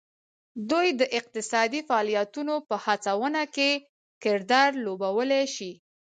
دوی د اقتصادي فعالیتونو په هڅونه کې کردار لوبولی شي